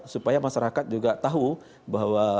supaya masyarakat juga tahu bahwa